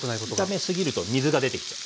炒めすぎると水が出てきちゃう。